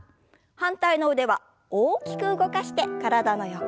反対の腕は大きく動かして体の横。